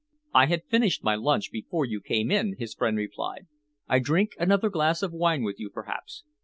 "I had finished my lunch before you came in," his friend replied. "I drink another glass of wine with you, perhaps.